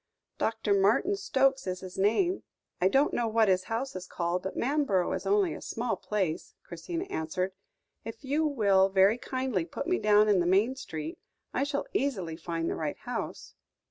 "Doctor Martin Stokes is his name; I don't know what his house is called, but Manborough is only a small place," Christina answered. "If you will very kindly put me down in the main street, I shall easily find the right house."